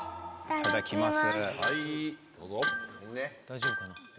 いただきます。